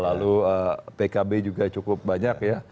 lalu pkb juga cukup banyak ya